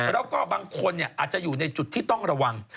แล้วก็บางคนอาจจะอยู่ในจุดที่ต้องระวัง